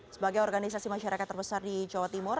sebagai organisasi masyarakat terbesar di jawa timur